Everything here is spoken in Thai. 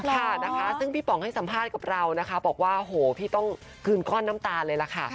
ค่ะนะคะซึ่งพี่ป๋องให้สัมภาษณ์กับเรานะคะบอกว่าโหพี่ต้องคืนก้อนน้ำตาเลยล่ะค่ะ